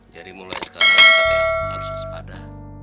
jadi mulai sekarang kita langsung sepada